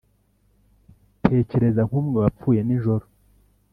tekereza nk'umwe wapfuye nijoro